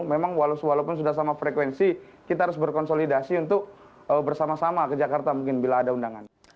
memang walaupun sudah sama frekuensi kita harus berkonsolidasi untuk bersama sama ke jakarta mungkin bila ada undangan